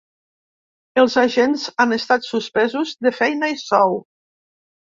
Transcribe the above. Els agents han estat suspesos de feina i sou.